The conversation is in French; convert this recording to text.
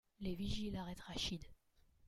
Les vigiles arrêtent Rachid.